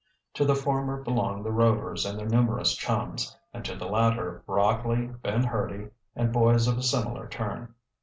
To the former belonged the Rovers and their numerous chums, and to the latter Rockley, Ben Hurdy, and boys of a similar turn.